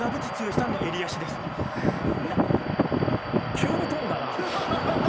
急に飛んだな。